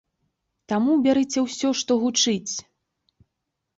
Таму бярыце ўсё, што гучыць!